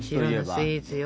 白のスイーツよ。